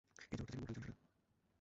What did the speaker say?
এই জগতটা যে একটা মডেল জানো সেটা?